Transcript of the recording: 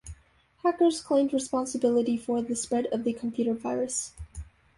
Hackers claimed responsibility for the spread of the computer virus.